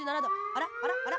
あらあらあら？